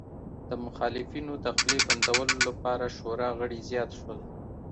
د مخالفینو د خولې بندولو لپاره شورا غړي زیات شول